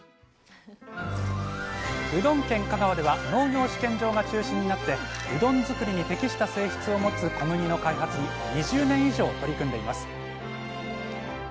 うどん県香川では農業試験場が中心になってうどん作りに適した性質を持つ小麦の開発に２０年以上取り組んでいます